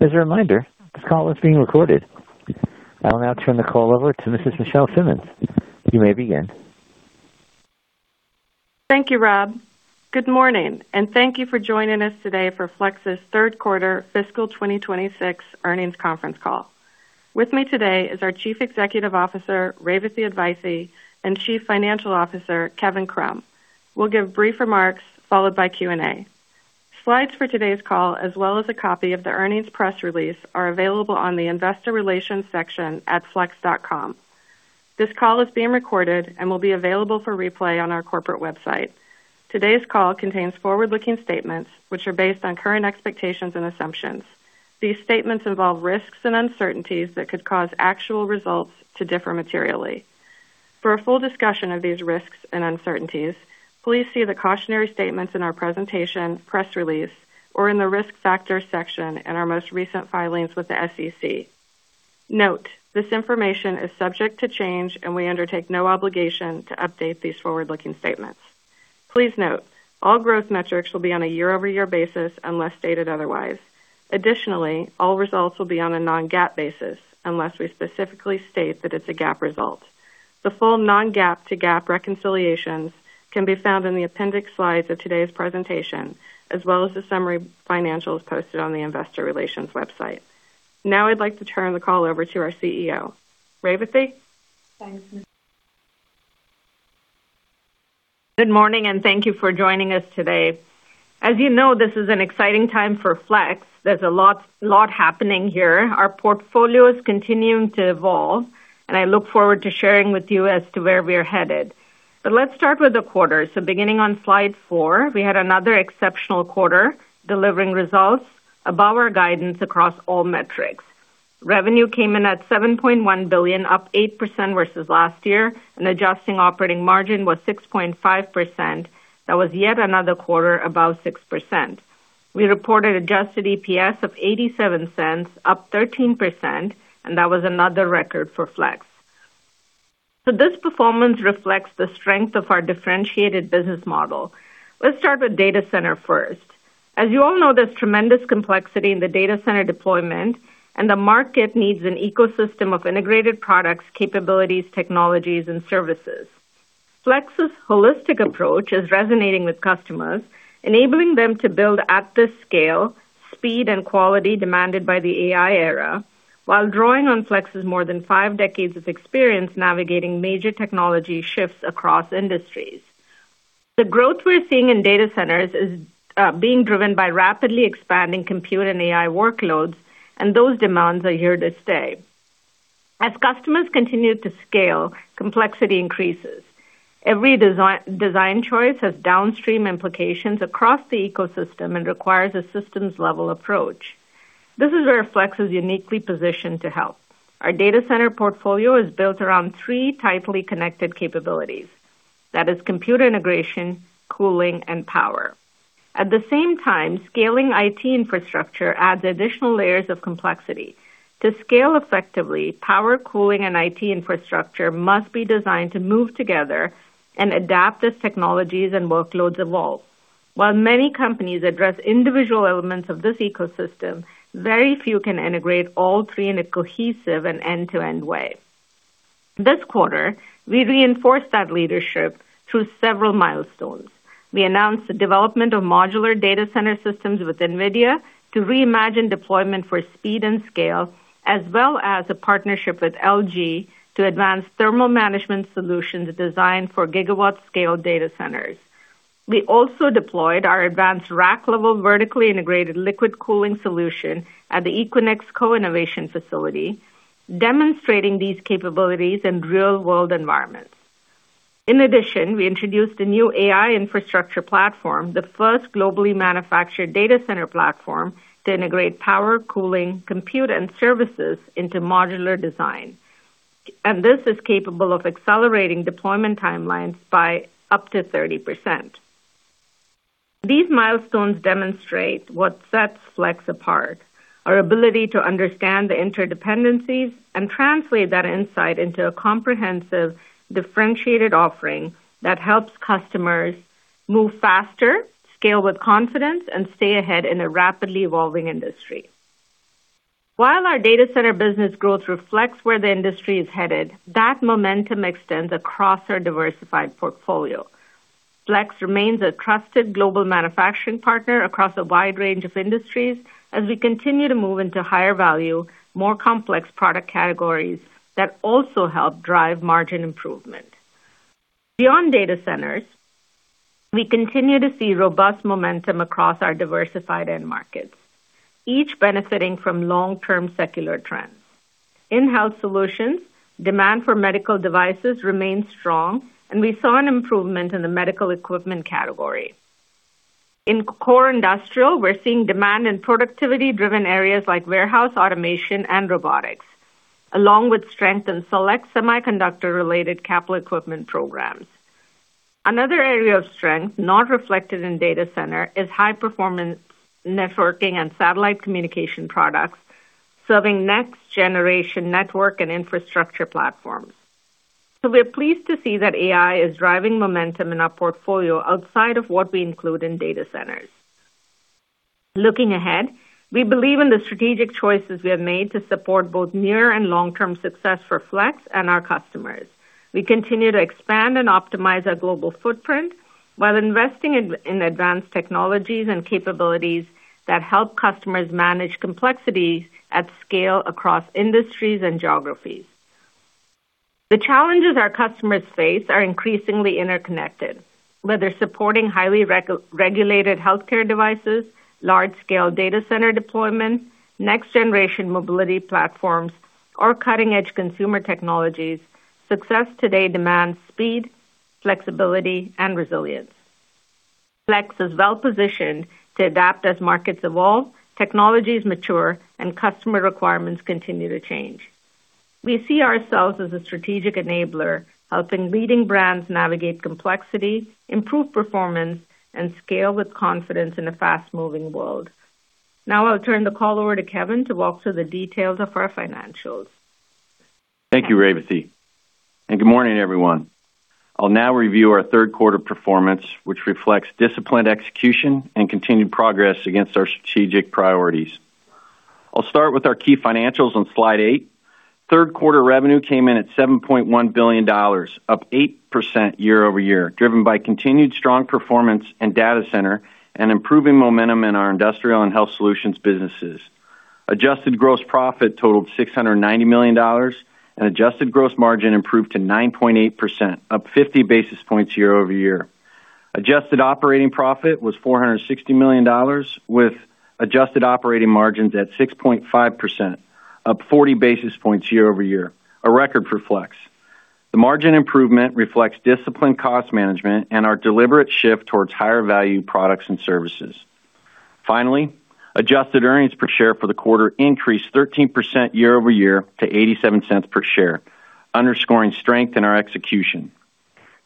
As a reminder, this call is being recorded. I will now turn the call over to Mrs. Michelle Simmons. You may begin. Thank you, Rob. Good morning, and thank you for joining us today for Flex's third quarter fiscal 2026 earnings conference call. With me today is our Chief Executive Officer, Revathi Advaithi, and Chief Financial Officer, Kevin Krumm. We'll give brief remarks followed by Q&A. Slides for today's call, as well as a copy of the earnings press release, are available on the Investor Relations section at flex.com. This call is being recorded and will be available for replay on our corporate website. Today's call contains forward-looking statements which are based on current expectations and assumptions. These statements involve risks and uncertainties that could cause actual results to differ materially. For a full discussion of these risks and uncertainties, please see the cautionary statements in our presentation, press release, or in the Risk Factors section in our most recent filings with the SEC. Note, this information is subject to change, and we undertake no obligation to update these forward-looking statements. Please note, all growth metrics will be on a year-over-year basis unless stated otherwise. Additionally, all results will be on a non-GAAP basis unless we specifically state that it's a GAAP result. The full non-GAAP-to-GAAP reconciliations can be found in the appendix slides of today's presentation, as well as the summary financials posted on the Investor Relations website. Now I'd like to turn the call over to our CEO. Revathi? Thanks. Good morning, and thank you for joining us today. As you know, this is an exciting time for Flex. There's a lot, lot happening here. Our portfolio is continuing to evolve, and I look forward to sharing with you as to where we are headed. But let's start with the quarter. So beginning on slide 4, we had another exceptional quarter, delivering results above our guidance across all metrics. Revenue came in at $7.1 billion, up 8% versus last year, and adjusted operating margin was 6.5%. That was yet another quarter above 6%. We reported adjusted EPS of $0.87, up 13%, and that was another record for Flex. So this performance reflects the strength of our differentiated business model. Let's start with data center first. As you all know, there's tremendous complexity in the data center deployment, and the market needs an ecosystem of integrated products, capabilities, technologies, and services. Flex's holistic approach is resonating with customers, enabling them to build at the scale, speed, and quality demanded by the AI era, while drawing on Flex's more than five decades of experience navigating major technology shifts across industries. The growth we're seeing in data centers is being driven by rapidly expanding compute and AI workloads, and those demands are here to stay. As customers continue to scale, complexity increases. Every design choice has downstream implications across the ecosystem and requires a systems-level approach. This is where Flex is uniquely positioned to help. Our data center portfolio is built around three tightly connected capabilities. That is compute integration, cooling, and power. At the same time, scaling IT infrastructure adds additional layers of complexity. To scale effectively, power, cooling, and IT infrastructure must be designed to move together and adapt as technologies and workloads evolve. While many companies address individual elements of this ecosystem, very few can integrate all three in a cohesive and end-to-end way. This quarter, we reinforced that leadership through several milestones. We announced the development of modular data center systems with NVIDIA to reimagine deployment for speed and scale, as well as a partnership with LG to advance thermal management solutions designed for gigawatt-scale data centers. We also deployed our advanced rack-level, vertically integrated liquid cooling solution at the Equinix Co-innovation Facility, demonstrating these capabilities in real-world environments. In addition, we introduced a new AI infrastructure platform, the first globally manufactured data center platform, to integrate power, cooling, compute, and services into modular design. This is capable of accelerating deployment timelines by up to 30%. These milestones demonstrate what sets Flex apart, our ability to understand the interdependencies and translate that insight into a comprehensive, differentiated offering that helps customers move faster, scale with confidence, and stay ahead in a rapidly evolving industry. While our data center business growth reflects where the industry is headed, that momentum extends across our diversified portfolio. Flex remains a trusted global manufacturing partner across a wide range of industries as we continue to move into higher value, more complex product categories that also help drive margin improvement. Beyond data centers, we continue to see robust momentum across our diversified end markets, each benefiting from long-term secular trends. In Health Solutions, demand for medical devices remains strong, and we saw an improvement in the medical equipment category. In core industrial, we're seeing demand in productivity-driven areas like warehouse automation and robotics, along with strength in select semiconductor-related capital equipment programs. Another area of strength not reflected in data center is high-performance networking and satellite communication products, serving next-generation network and infrastructure platforms. So we're pleased to see that AI is driving momentum in our portfolio outside of what we include in data centers. Looking ahead, we believe in the strategic choices we have made to support both near and long-term success for Flex and our customers. We continue to expand and optimize our global footprint while investing in advanced technologies and capabilities that help customers manage complexities at scale across industries and geographies. The challenges our customers face are increasingly interconnected, whether supporting highly regulated healthcare devices, large-scale data center deployments, next-generation mobility platforms, or cutting-edge consumer technologies. Success today demands speed, flexibility, and resilience. Flex is well-positioned to adapt as markets evolve, technologies mature, and customer requirements continue to change. We see ourselves as a strategic enabler, helping leading brands navigate complexity, improve performance, and scale with confidence in a fast-moving world. Now I'll turn the call over to Kevin to walk through the details of our financials. Thank you, Revathi, and good morning, everyone. I'll now review our third quarter performance, which reflects disciplined execution and continued progress against our strategic priorities. I'll start with our key financials on slide eight. Third quarter revenue came in at $7.1 billion, up 8% year-over-year, driven by continued strong performance in data center and improving momentum in our industrial and health solutions businesses. Adjusted gross profit totaled $690 million, and adjusted gross margin improved to 9.8%, up 50 basis points year-over-year. Adjusted operating profit was $460 million, with adjusted operating margins at 6.5%, up 40 basis points year-over-year, a record for Flex. The margin improvement reflects disciplined cost management and our deliberate shift towards higher-value products and services. Finally, adjusted earnings per share for the quarter increased 13% year-over-year to $0.87 per share, underscoring strength in our execution.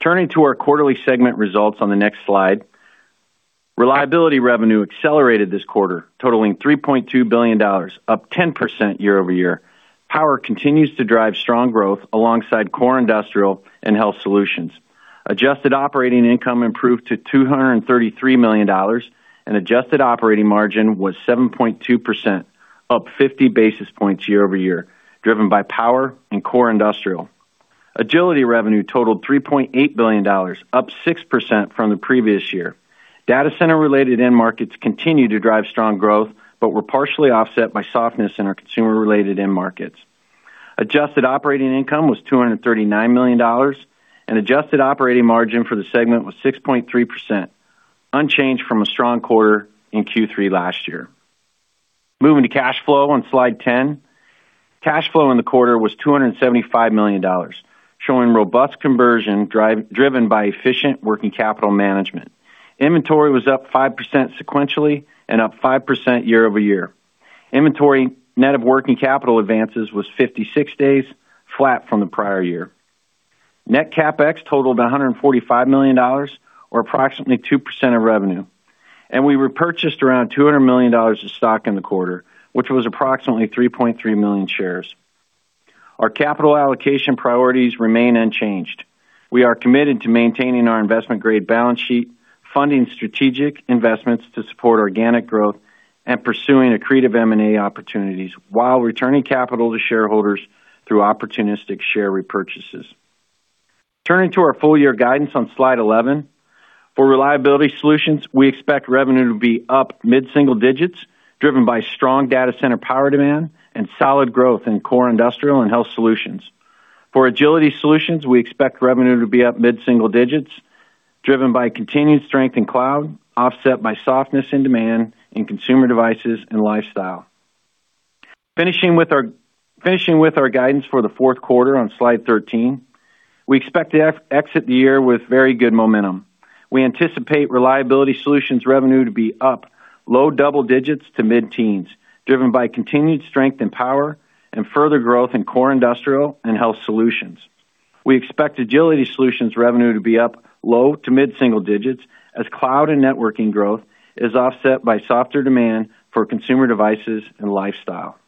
Turning to our quarterly segment results on the next slide, reliability revenue accelerated this quarter, totaling $3.2 billion, up 10% year-over-year. Power continues to drive strong growth alongside Core Industrial and health solutions. Adjusted operating income improved to $233 million, and adjusted operating margin was 7.2%, up 50 basis points year-over-year, driven by Power and core industrial. Agility revenue totaled $3.8 billion, up 6% from the previous year. Data center-related end markets continued to drive strong growth, but were partially offset by softness in our consumer-related end markets. Adjusted operating income was $239 million, and adjusted operating margin for the segment was 6.3%, unchanged from a strong quarter in Q3 last year. Moving to cash flow on slide 10. Cash flow in the quarter was $275 million, showing robust conversion drive, driven by efficient working capital management. Inventory was up 5% sequentially and up 5% year-over-year. Inventory net of working capital advances was 56 days, flat from the prior year. Net CapEx totaled $145 million, or approximately 2% of revenue, and we repurchased around $200 million of stock in the quarter, which was approximately 3.3 million shares. Our capital allocation priorities remain unchanged. We are committed to maintaining our investment-grade balance sheet, funding strategic investments to support organic growth, and pursuing accretive M&A opportunities, while returning capital to shareholders through opportunistic share repurchases. Turning to our full year guidance on slide 11. For Reliability Solutions, we expect revenue to be up mid-single digits, driven by strong data center power demand and solid growth in core industrial and health solutions. For Agility Solutions, we expect revenue to be up mid-single digits, driven by continued strength in cloud, offset by softness in demand in Consumer Devices and Lifestyle. Finishing with our guidance for the fourth quarter on slide 13, we expect to exit the year with very good momentum. We anticipate Reliability Solutions revenue to be up low double digits to mid-teens, driven by continued strength in Power and further growth in core industrial and health solutions. We expect Agility Solutions revenue to be up low- to mid-single digits, as cloud and networking growth is offset by softer demand for Consumer Devices and Lifestyle.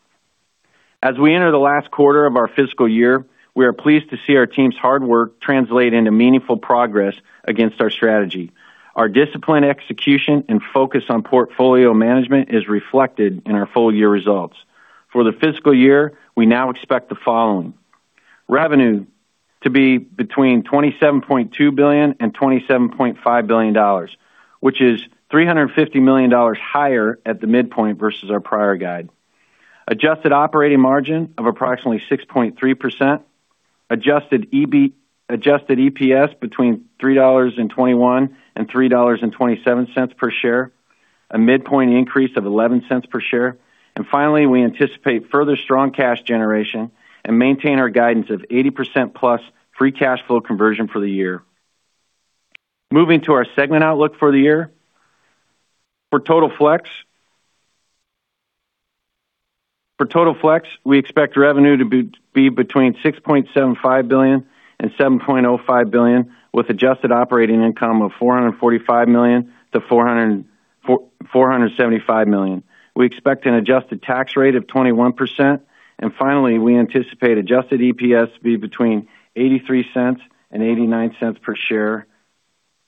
As we enter the last quarter of our fiscal year, we are pleased to see our team's hard work translate into meaningful progress against our strategy. Our disciplined execution and focus on portfolio management is reflected in our full-year results. For the fiscal year, we now expect the following: Revenue to be between $27.2 billion and $27.5 billion, which is $350 million higher at the midpoint versus our prior guide. Adjusted operating margin of approximately 6.3%. Adjusted EPS between $3.21 and $3.27 per share, a midpoint increase of $0.11 per share. And finally, we anticipate further strong cash generation and maintain our guidance of 80%+ free cash flow conversion for the year. Moving to our segment outlook for the year. For Total Flex, we expect revenue to be between $6.75 billion and $7.05 billion, with adjusted operating income of $445 million-$475 million. We expect an adjusted tax rate of 21%, and finally, we anticipate adjusted EPS to be between $0.83 and $0.89 per share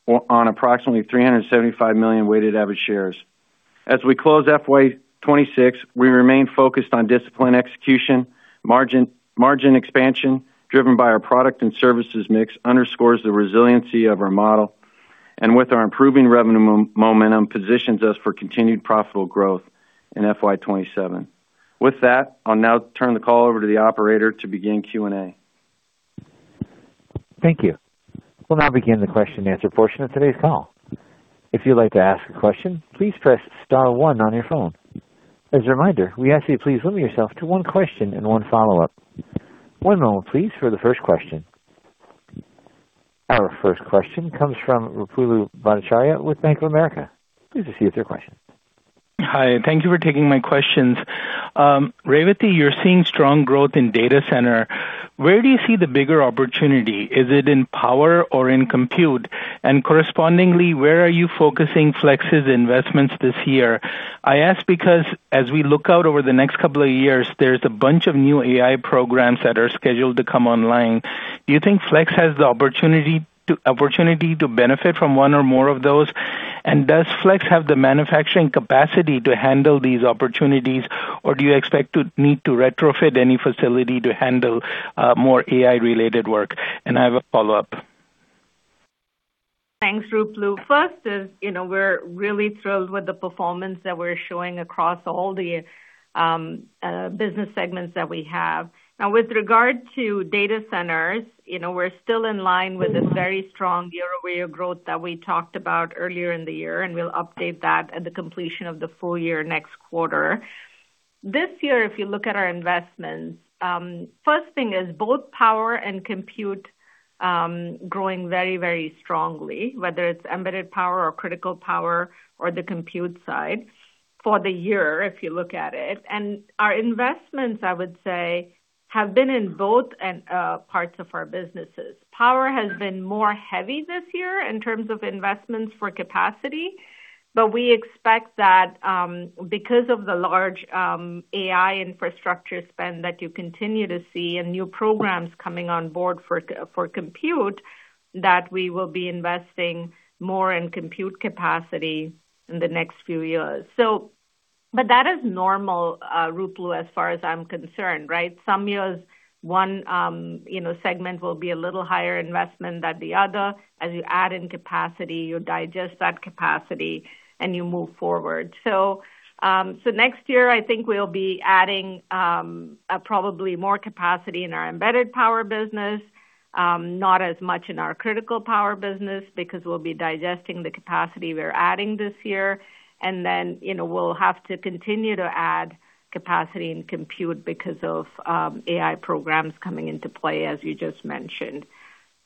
on approximately 375 million weighted average shares. As we close FY 2026, we remain focused on disciplined execution, margin, margin expansion, driven by our product and services mix, underscores the resiliency of our model, and with our improving revenue momentum, positions us for continued profitable growth in FY 2027. With that, I'll now turn the call over to the operator to begin Q&A. Thank you. We'll now begin the question-and-answer portion of today's call. If you'd like to ask a question, please press star one on your phone. As a reminder, we ask you to please limit yourself to one question and one follow-up. One moment, please, for the first question. Our first question comes from Ruplu Bhattacharya with Bank of America. Please proceed with your question. Hi, thank you for taking my questions. Revathi, you're seeing strong growth in data center. Where do you see the bigger opportunity? Is it in power or in compute? And correspondingly, where are you focusing Flex's investments this year? I ask because as we look out over the next couple of years, there's a bunch of new AI programs that are scheduled to come online. Do you think Flex has the opportunity to benefit from one or more of those? And does Flex have the manufacturing capacity to handle these opportunities, or do you expect to need to retrofit any facility to handle more AI-related work? And I have a follow-up. Thanks, Ruplu. First is, you know, we're really thrilled with the performance that we're showing across all the business segments that we have. Now, with regard to data centers, you know, we're still in line with this very strong year-over-year growth that we talked about earlier in the year, and we'll update that at the completion of the full year, next quarter. This year, if you look at our investments, first thing is both power and compute growing very, very strongly, whether it's embedded power or critical power or the compute side, for the year, if you look at it. And our investments, I would say, have been in both and parts of our businesses. Power has been more heavy this year in terms of investments for capacity, but we expect that, because of the large AI infrastructure spend that you continue to see and new programs coming on board for compute, that we will be investing more in compute capacity in the next few years. But that is normal, Ruplu, as far as I'm concerned, right? Some years, one you know segment will be a little higher investment than the other. As you add in capacity, you digest that capacity, and you move forward. So, so next year, I think we'll be adding probably more capacity in our embedded power business, not as much in our critical power business because we'll be digesting the capacity we're adding this year. Then, you know, we'll have to continue to add capacity in compute because of AI programs coming into play, as you just mentioned.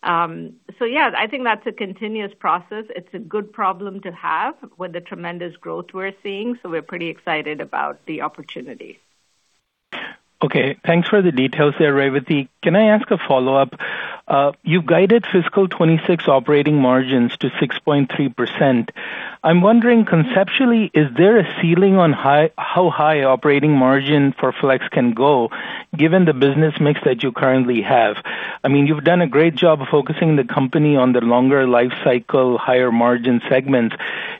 So yeah, I think that's a continuous process. It's a good problem to have with the tremendous growth we're seeing, so we're pretty excited about the opportunity. Okay, thanks for the details there, Revathi. Can I ask a follow-up? You've guided fiscal 2026 operating margins to 6.3%. I'm wondering, conceptually, is there a ceiling on how high operating margin for Flex can go, given the business mix that you currently have? I mean, you've done a great job of focusing the company on the longer life cycle, higher margin segments.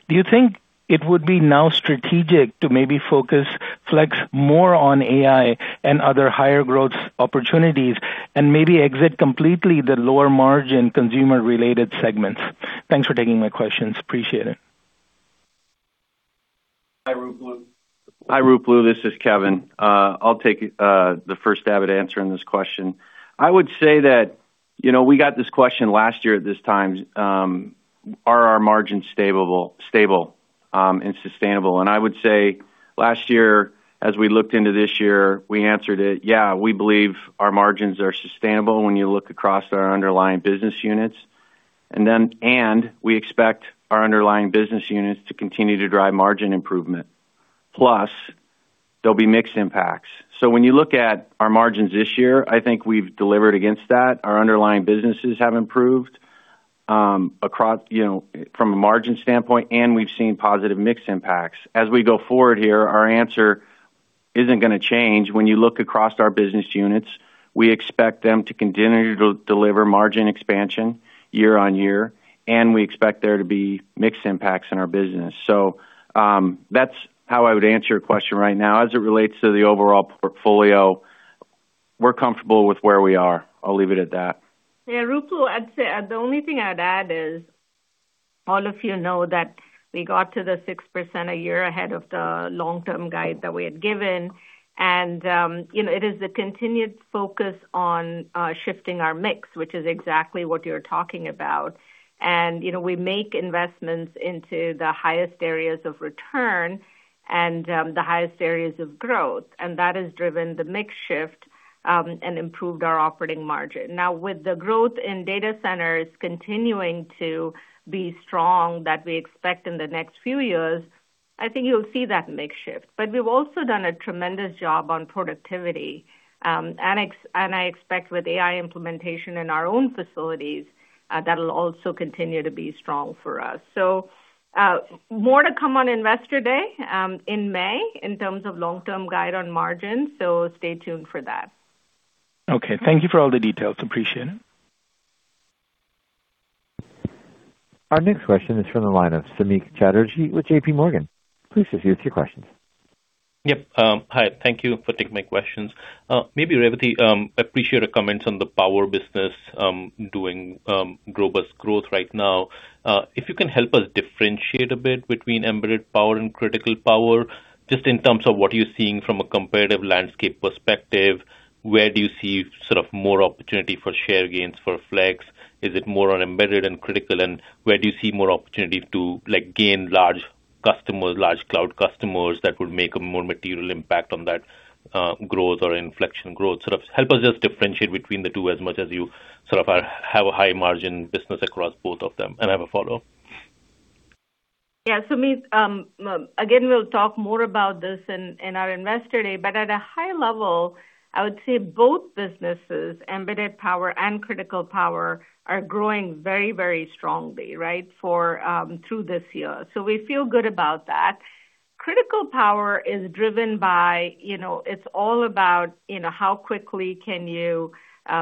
Do you think it would be now strategic to maybe focus Flex more on AI and other higher growth opportunities and maybe exit completely the lower margin consumer-related segments? Thanks for taking my questions. Appreciate it. Hi, Ruplu. Hi, Ruplu, this is Kevin. I'll take the first stab at answering this question. I would say that, you know, we got this question last year at this time, are our margins stable and sustainable? And I would say last year, as we looked into this year, we answered it, "Yeah, we believe our margins are sustainable when you look across our underlying business units." And then, "And we expect our underlying business units to continue to drive margin improvement. Plus, there'll be mixed impacts." So when you look at our margins this year, I think we've delivered against that. Our underlying businesses have improved across, you know, from a margin standpoint, and we've seen positive mix impacts. As we go forward here, our answer isn't gonna change. When you look across our business units, we expect them to continue to deliver margin expansion year-on-year, and we expect there to be mix impacts in our business. So, that's how I would answer your question right now. As it relates to the overall portfolio, we're comfortable with where we are. I'll leave it at that. Yeah, Ruplu, I'd say... the only thing I'd add is, all of you know that we got to the 6% a year ahead of the long-term guide that we had given. And, you know, it is a continued focus on, shifting our mix, which is exactly what you're talking about. And, you know, we make investments into the highest areas of return and, the highest areas of growth, and that has driven the mix shift, and improved our operating margin. Now, with the growth in data centers continuing to be strong, that we expect in the next few years, I think you'll see that make shift. But we've also done a tremendous job on productivity, and I expect with AI implementation in our own facilities, that'll also continue to be strong for us. So, more to come on Investor Day, in May, in terms of long-term guide on margins, so stay tuned for that. Okay, thank you for all the details. Appreciate it. Our next question is from the line of Samik Chatterjee with JPMorgan. Please proceed with your questions. Yep, hi, thank you for taking my questions. Maybe, Revathi, I appreciate your comments on the power business doing robust growth right now. If you can help us differentiate a bit between embedded power and critical power, just in terms of what you're seeing from a competitive landscape perspective, where do you see sort of more opportunity for share gains for Flex? Is it more on embedded and critical, and where do you see more opportunity to, like, gain large customers, large cloud customers, that would make a more material impact on that, growth or inflection growth? Sort of help us just differentiate between the two as much as you sort of have a high margin business across both of them. And I have a follow-up. Yeah, Samik, again, we'll talk more about this in our Investor Day, but at a high level, I would say both businesses, embedded power and critical power, are growing very, very strongly, right, through this year. So we feel good about that. critical power is driven by, you know, it's all about, you know, how quickly can you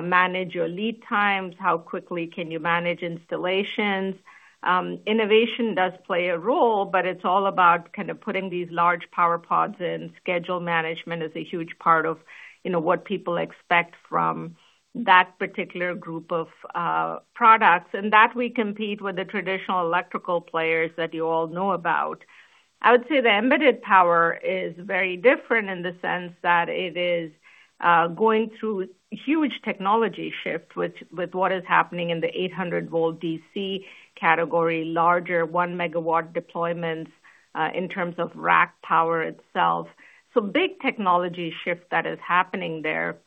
manage your lead times? How quickly can you manage installations? Innovation does play a role, but it's all about kind of putting these large power pods in. Schedule management is a huge part of, you know, what people expect from that particular group of products, and that we compete with the traditional electrical players that you all know about. I would say the embedded power is very different in the sense that it is going through huge technology shift, with what is happening in the 800-volt DC category, larger 1-MW deployments in terms of rack power itself. So big technology shift that is happening there.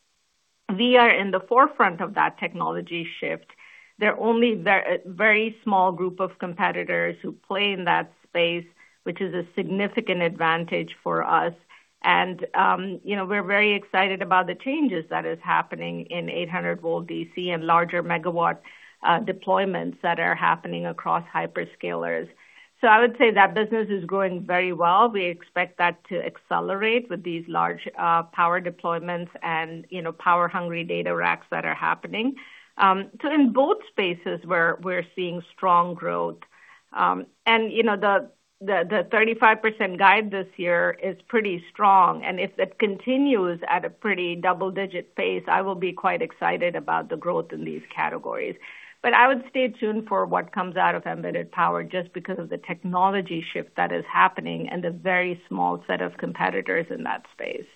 We are in the forefront of that technology shift. There are only very, very small group of competitors who play in that space, which is a significant advantage for us. And, you know, we're very excited about the changes that is happening in 800-volt DC and larger MW deployments that are happening across hyperscalers. So I would say that business is growing very well. We expect that to accelerate with these large power deployments and, you know, power-hungry data racks that are happening. So in both spaces, we're, we're seeing strong growth. You know, the 35% guide this year is pretty strong, and if it continues at a pretty double-digit pace, I will be quite excited about the growth in these categories. I would stay tuned for what comes out of embedded power, just because of the technology shift that is happening and the very small set of competitors in that space.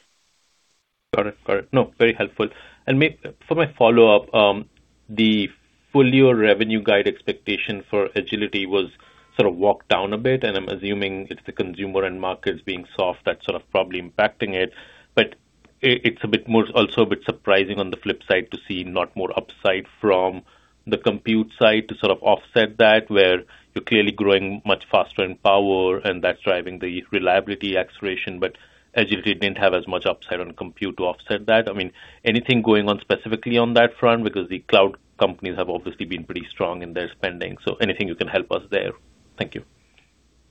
Got it. Got it. No, very helpful. And for my follow-up, the full-year revenue guide expectation for agility was sort of walked down a bit, and I'm assuming it's the consumer end markets being soft that's sort of probably impacting it. But it, it's a bit more, also a bit surprising on the flip side to see not more upside from the compute side to sort of offset that, where you're clearly growing much faster in power, and that's driving the reliability acceleration. But agility didn't have as much upside on compute to offset that. I mean, anything going on specifically on that front? Because the cloud companies have obviously been pretty strong in their spending, so anything you can help us there? Thank you.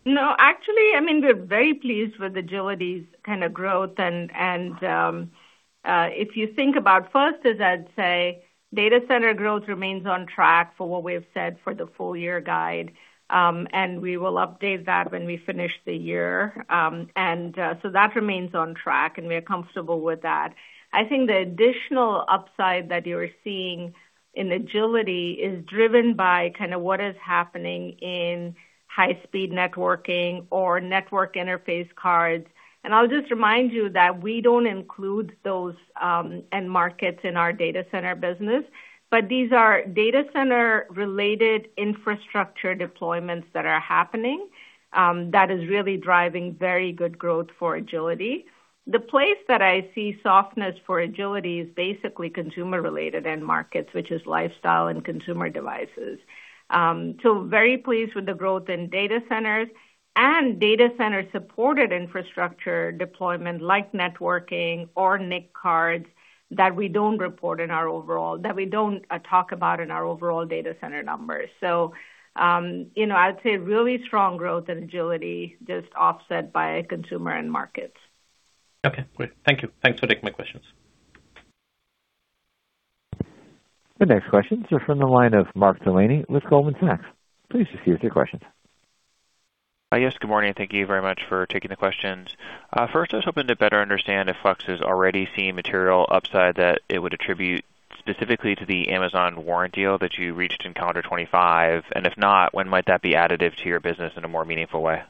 No, actually, I mean, we're very pleased with agility's kind of growth. If you think about first, as I'd say, data center growth remains on track for what we've said for the full year guide, and we will update that when we finish the year. So that remains on track, and we are comfortable with that. I think the additional upside that you're seeing in agility is driven by kind of what is happening in high-speed networking or network interface cards. And I'll just remind you that we don't include those end markets in our data center business, but these are data center-related infrastructure deployments that are happening, that is really driving very good growth for agility. The place that I see softness for agility is basically consumer-related end markets, which is Lifestyle and Consumer Devices. So very pleased with the growth in data centers and data center-supported infrastructure deployment, like networking or NIC cards, that we don't report in our overall... That we don't talk about in our overall data center numbers. So, you know, I'd say really strong growth in Agility, just offset by consumer end markets. Okay, great. Thank you. Thanks for taking my questions. The next questions are from the line of Mark Delaney with Goldman Sachs. Please proceed with your questions. Yes, good morning, and thank you very much for taking the questions. First, I was hoping to better understand if Flex is already seeing material upside that it would attribute specifically to the Amazon warrant deal that you reached in calendar 2025, and if not, when might that be additive to your business in a more meaningful way?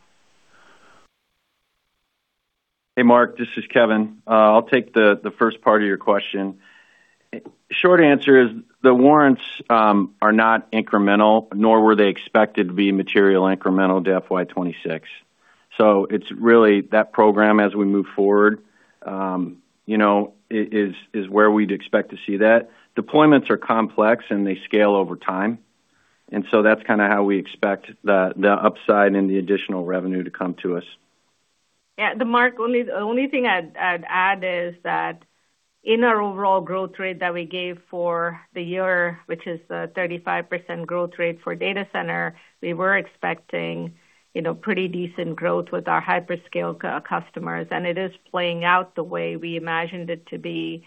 Hey, Mark, this is Kevin. I'll take the first part of your question. Short answer is, the warrants are not incremental, nor were they expected to be material incremental to FY 2026. So it's really that program, as we move forward, you know, is where we'd expect to see that. Deployments are complex, and they scale over time, and so that's kind of how we expect the upside and the additional revenue to come to us. Yeah, Mark, the only thing I'd add is that in our overall growth rate that we gave for the year, which is a 35% growth rate for data center, we were expecting, you know, pretty decent growth with our hyperscale customers, and it is playing out the way we imagined it to be.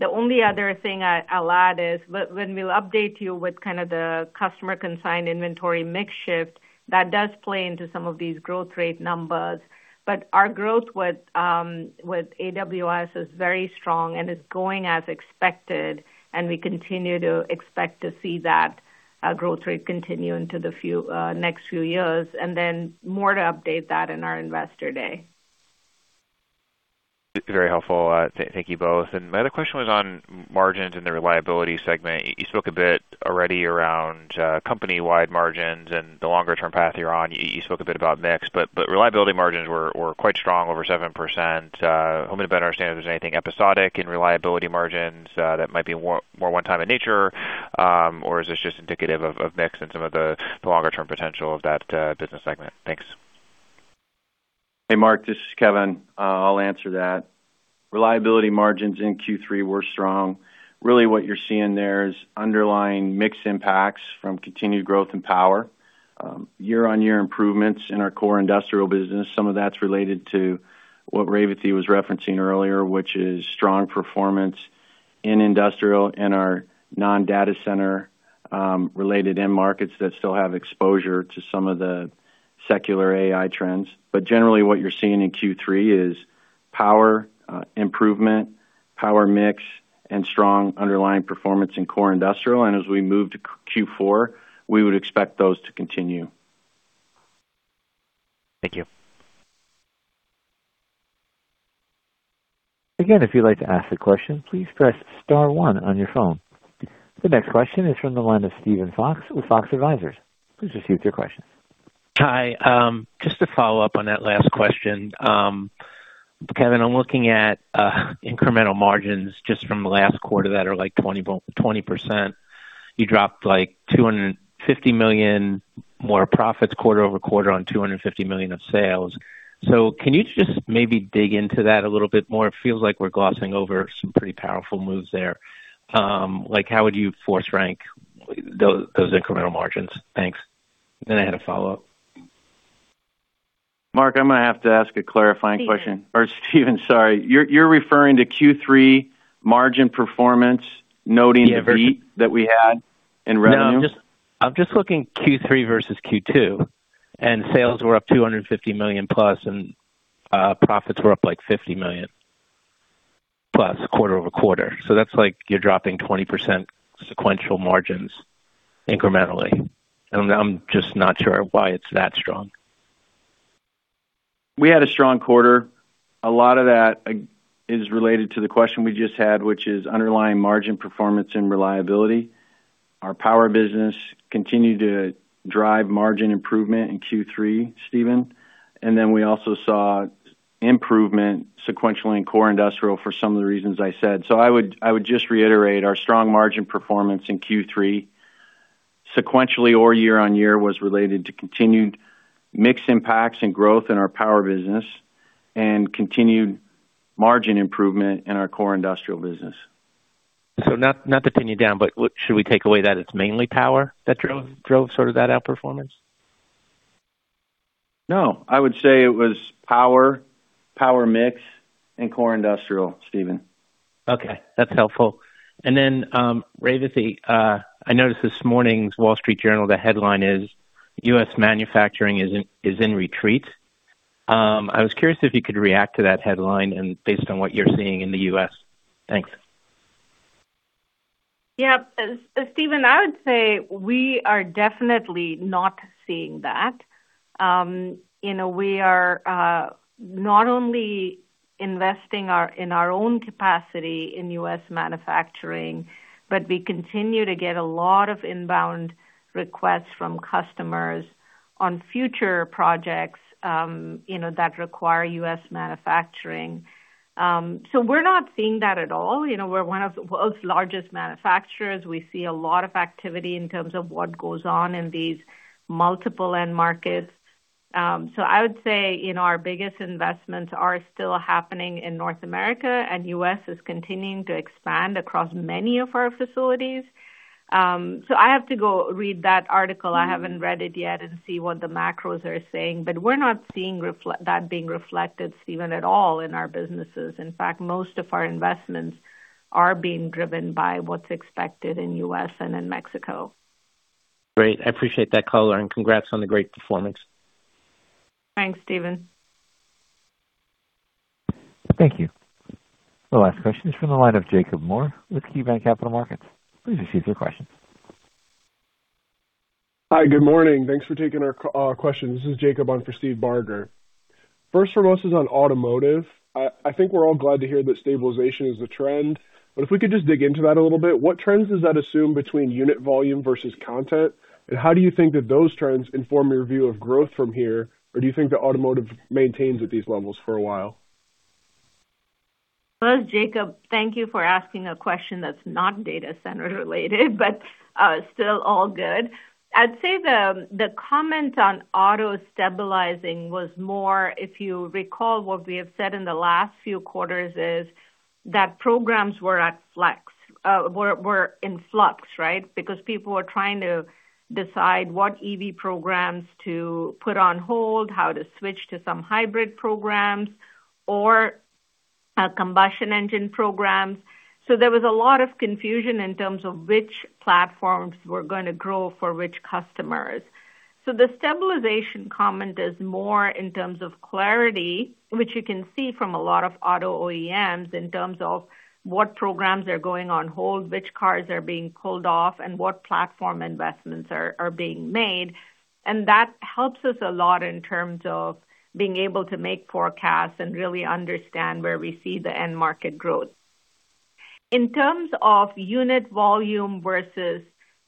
The only other thing I'll add is when we'll update you with kind of the customer consigned inventory mix shift, that does play into some of these growth rate numbers. But our growth with AWS is very strong and is going as expected, and we continue to expect to see that growth rate continue into the next few years, and then more to update that in our investor day. Very helpful. Thank you both. My other question was on margins in the reliability segment. You spoke a bit already around company-wide margins and the longer-term path you're on. You spoke a bit about mix, but reliability margins were quite strong, over 7%. Hoping to better understand if there's anything episodic in reliability margins that might be more one-time in nature, or is this just indicative of mix and some of the longer-term potential of that business segment? Thanks. Hey, Mark, this is Kevin. I'll answer that. Reliability margins in Q3 were strong. Really, what you're seeing there is underlying mix impacts from continued growth and power, year-on-year improvements in our core industrial business. Some of that's related to what Revathi was referencing earlier, which is strong performance in industrial and our non-data center related end markets that still have exposure to some of the secular AI trends. But generally, what you're seeing in Q3 is power improvement, power mix, and strong underlying performance in core industrial, and as we move to Q4, we would expect those to continue. Thank you. Again, if you'd like to ask a question, please press star one on your phone. The next question is from the line of Steven Fox with Fox Advisors. Please proceed with your question. Hi, just to follow up on that last question. Kevin, I'm looking at incremental margins just from last quarter that are, like, 20%. You dropped, like, $250 million more profits quarter-over-quarter on $250 million of sales. So can you just maybe dig into that a little bit more? It feels like we're glossing over some pretty powerful moves there. Like, how would you force rank those incremental margins? Thanks. Then I had a follow-up. Mark, I'm going to have to ask a clarifying question. Steven. Or Steven, sorry. You're referring to Q3 margin performance, noting the beat- Yeah. that we had in revenue? No, I'm just, I'm just looking Q3 versus Q2, and sales were up $250+ million, and profits were up, like, $50+ million quarter-over-quarter. So that's like you're dropping 20% sequential margins incrementally. And I'm just not sure why it's that strong. We had a strong quarter. A lot of that is related to the question we just had, which is underlying margin performance and reliability. Our power business continued to drive margin improvement in Q3, Steven, and then we also saw improvement sequentially in core industrial for some of the reasons I said. So I would, I would just reiterate, our strong margin performance in Q3, sequentially or year-on-year, was related to continued mix impacts and growth in our power business and continued margin improvement in our core industrial business. So not to pin you down, but should we take away that it's mainly power that drove sort of that outperformance? No, I would say it was power, power mix, and core industrial, Steven. Okay, that's helpful. And then, Revathi, I noticed this morning's Wall Street Journal, the headline is: U.S. Manufacturing is in Retreat. I was curious if you could react to that headline and based on what you're seeing in the U.S.. Thanks. Yeah. Steven, I would say we are definitely not seeing that. You know, we are not only investing in our own capacity in U.S. manufacturing, but we continue to get a lot of inbound requests from customers on future projects, you know, that require U.S. manufacturing. So we're not seeing that at all. You know, we're one of the world's largest manufacturers. We see a lot of activity in terms of what goes on in these multiple end markets. So I would say, you know, our biggest investments are still happening in North America, and U.S. is continuing to expand across many of our facilities. So I have to go read that article, I haven't read it yet, and see what the macros are saying, but we're not seeing that being reflected, Steven, at all in our businesses. In fact, most of our investments are being driven by what's expected in U.S. and in Mexico. Great, I appreciate that color, and congrats on the great performance. Thanks, Steven. Thank you. The last question is from the line of Jacob Moore with KeyBanc Capital Markets. Please proceed with your question. Hi, good morning. Thanks for taking our questions. This is Jacob on for Steve Barger. First from us is on automotive. I think we're all glad to hear that stabilization is the trend, but if we could just dig into that a little bit, what trends does that assume between unit volume versus content? And how do you think that those trends inform your view of growth from here? Or do you think that automotive maintains at these levels for a while? First, Jacob, thank you for asking a question that's not data center related, but still all good. I'd say the comment on auto stabilizing was more, if you recall, what we have said in the last few quarters, is that programs were in flux, right? Because people were trying to decide what EV programs to put on hold, how to switch to some hybrid programs or combustion engine programs. So there was a lot of confusion in terms of which platforms were gonna grow for which customers. So the stabilization comment is more in terms of clarity, which you can see from a lot of auto OEMs, in terms of what programs are going on hold, which cars are being pulled off, and what platform investments are being made. That helps us a lot in terms of being able to make forecasts and really understand where we see the end market growth. In terms of unit volume versus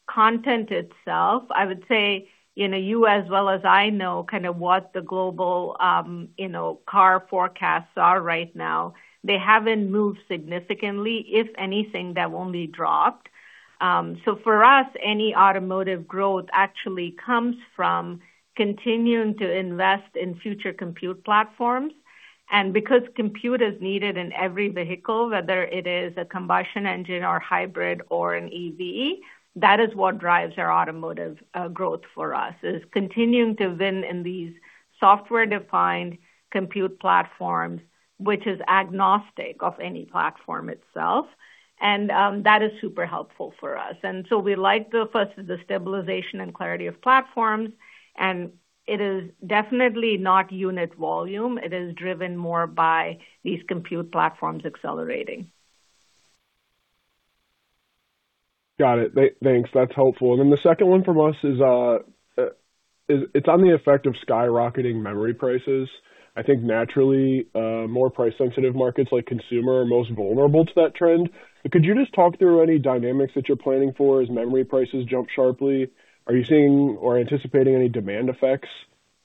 content itself, I would say, you know, you as well as I know, kind of what the global, you know, car forecasts are right now. They haven't moved significantly. If anything, they've only dropped. So for us, any automotive growth actually comes from continuing to invest in future compute platforms. And because compute is needed in every vehicle, whether it is a combustion engine or a hybrid or an EV, that is what drives our automotive growth for us, is continuing to win in these software-defined compute platforms, which is agnostic of any platform itself. And, that is super helpful for us. And so we like the first, the stabilization and clarity of platforms, and it is definitely not unit volume. It is driven more by these compute platforms accelerating. Got it. Thanks, that's helpful. And then the second one from us is, it's on the effect of skyrocketing memory prices. I think naturally, more price-sensitive markets like consumer, are most vulnerable to that trend. But could you just talk through any dynamics that you're planning for, as memory prices jump sharply? Are you seeing or anticipating any demand effects,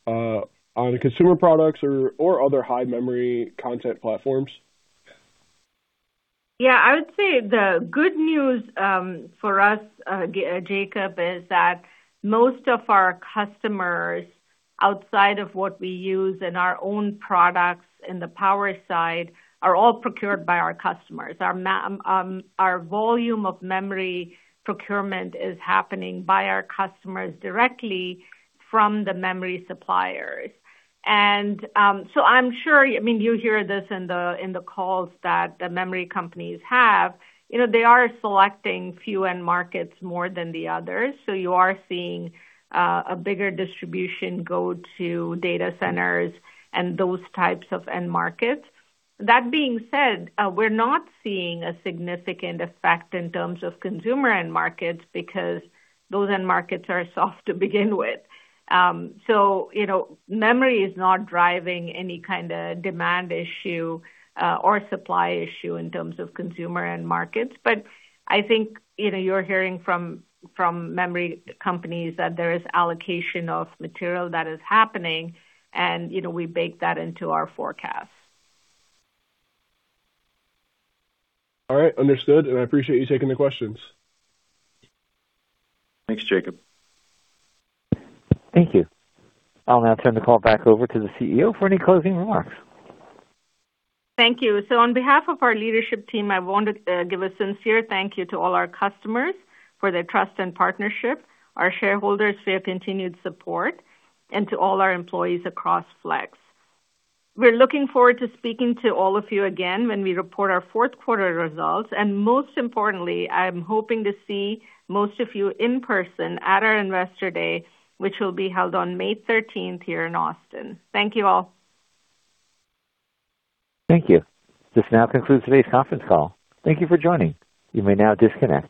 on consumer products or, or other high-memory content platforms? Yeah, I would say the good news, for us, Jacob, is that most of our customers, outside of what we use in our own products in the power side, are all procured by our customers. Our volume of memory procurement is happening by our customers directly from the memory suppliers. So I'm sure, I mean, you hear this in the calls that the memory companies have. You know, they are selecting few end markets more than the others, so you are seeing a bigger distribution go to data centers and those types of end markets. That being said, we're not seeing a significant effect in terms of consumer end markets, because those end markets are soft to begin with. So you know, memory is not driving any kind of demand issue or supply issue in terms of consumer end markets. But I think, you know, you're hearing from memory companies that there is allocation of material that is happening, and, you know, we bake that into our forecast. All right. Understood, and I appreciate you taking the questions. Thanks, Jacob. Thank you. I'll now turn the call back over to the CEO for any closing remarks. Thank you. So on behalf of our leadership team, I want to give a sincere thank you to all our customers for their trust and partnership, our shareholders for your continued support, and to all our employees across Flex. We're looking forward to speaking to all of you again when we report our fourth quarter results. Most importantly, I'm hoping to see most of you in person at our Investor Day, which will be held on May thirteenth, here in Austin. Thank you all. Thank you. This now concludes today's conference call. Thank you for joining. You may now disconnect.